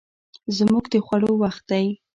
زموږ د خوړو وخت دی